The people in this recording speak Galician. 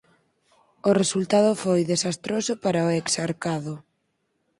O resultado foi desastroso para o exarcado.